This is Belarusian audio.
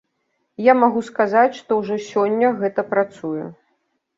Я магу сказаць, што ўжо сёння гэта працуе.